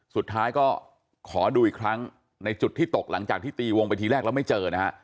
สุดท้ายก็ขอดูอีกครั้งในจุดที่ตกหลังจากที่ตีวงไปทีแรกแล้วไม่เจอนะฮะ